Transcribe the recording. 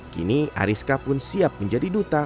kini ariska pun siap menjadi duta